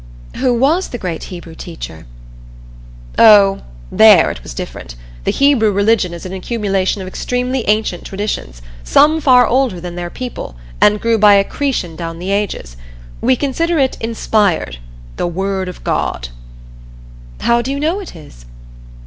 "Who was the great Hebrew teacher?" "Oh there it was different. The Hebrew religion is an accumulation of extremely ancient traditions, some far older than their people, and grew by accretion down the ages. We consider it inspired 'the Word of God.'" "How do you know it is?"